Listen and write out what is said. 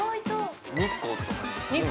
日光とかも。